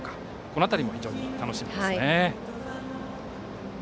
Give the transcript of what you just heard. この辺りも非常に楽しみですね。